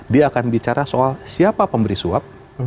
dia akan bicara soal siapa pemberi suap